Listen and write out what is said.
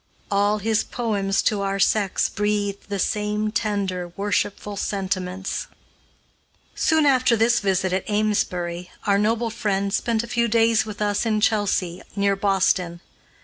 All his poems to our sex breathe the same tender, worshipful sentiments. Soon after this visit at Amesbury, our noble friend spent a few days with us in Chelsea, near Boston.